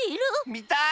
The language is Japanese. みたい！